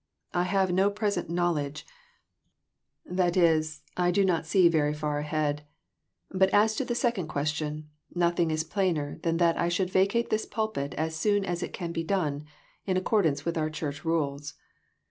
I have no present knowledge ; that is, I do not see very far ahead. PRECIPITATION. 351 But as to the second question, nothing is plainer than that I should vacate this pulpit as soon as it can be done, in accordance with our church rules.